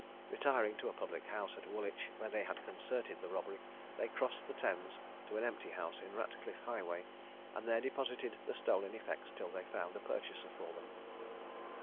Retiring to a public house at Woolwich, where they had concerted the robbery, they crossed the Thames to an empty house in Ratcliffe Highway, and there deposited the stolen effects till they found a purchaser for them.